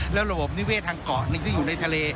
แล้วระบบนิเวศทางเกาะหนึ่งที่อยู่ในทะเล